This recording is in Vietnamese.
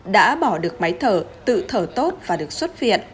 đã bỏ được máy thở tự thở tốt và được xuất viện